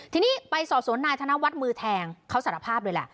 ทีนี้ไปสอบสวนนายธนวัฒน์มือแทงเขาสารภาพเลยแหละ